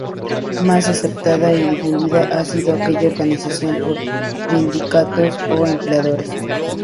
Más aceptada y difundida han sido aquellas organizadas por sindicatos o empleadores.